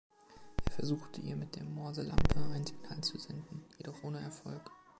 Er versuchte, ihr mit der Morselampe ein Signal zu senden, jedoch ohne Erfolg.